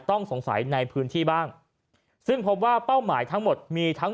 ต้องสงสัยในพื้นที่บ้างซึ่งพบว่าเป้าหมายทั้งหมดมีทั้ง